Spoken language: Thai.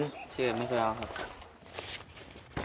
แล้วที่อื่นไม่ใช่เราครับ